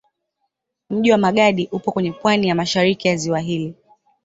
Mji wa Magadi upo kwenye pwani ya mashariki ya ziwa hili.